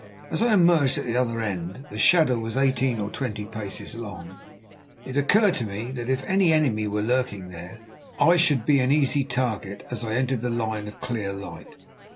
As I emerged at the other end—the shadow was eighteen or twenty paces long—it occurred to me that if any enemy were lurking there, I should be an easy target as I entered the line of clear light.